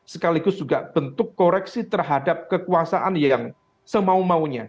sekaligus juga bentuk koreksi terhadap kekuasaan yang semau maunya